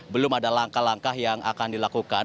belum ada langkah langkah yang akan dilakukan